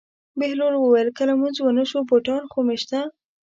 بهلول وویل: که لمونځ ونه شو بوټان خو مې شته.